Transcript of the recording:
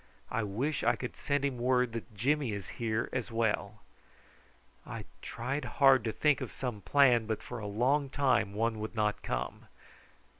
"I wish I could send him word that Jimmy is here as well." I tried hard to think of some plan, but for a long time not one would come.